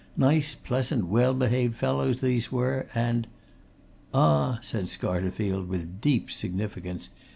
Nice, pleasant, well behaved fellows these were, and " "Ah!" said Scarterfield, with deep significance.